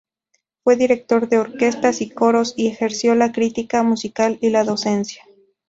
Fue director de orquestas y coros y ejerció la crítica musical y la docencia.